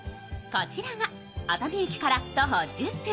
こちらが熱海駅から徒歩１０分。